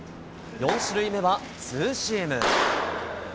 ４種類目はツーシーム。